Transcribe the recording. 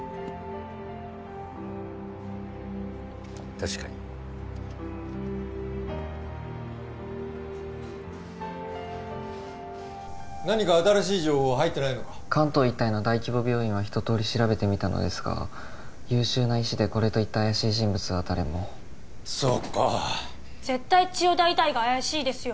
確かに何か新しい情報は入ってないのか関東一帯の大規模病院はひととおり調べてみたのですが優秀な医師でこれといった怪しい人物は誰もそうか絶対千代田医大が怪しいですよ